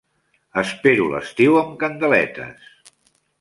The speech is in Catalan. Espero l'estiu amb candeletes!